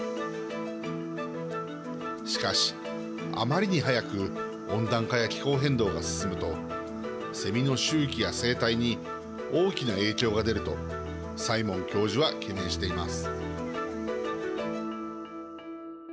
しかし、あまりに速く温暖化や気候変動が進むとセミの周期や生態に大きな影響が出るとサイモン教授は懸念しています。